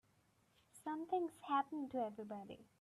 Something's happened to everybody.